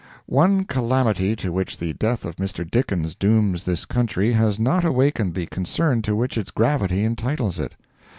One calamity to which the death of Mr. Dickens dooms this country has not awakened the concern to which its gravity entitles it.